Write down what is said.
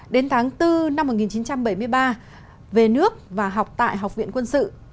đến tháng bốn năm một nghìn chín trăm bảy mươi ba về nước và học tại học viện quân sự